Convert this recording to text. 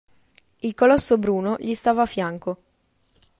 Il colosso bruno gli stava a fianco.